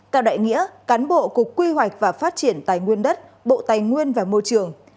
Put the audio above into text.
cao đại nghĩa cán bộ cục quy hoạch và phát triển tài nguyên đất bộ tài nguyên và môi trường